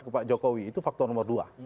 ke pak jokowi itu faktor nomor dua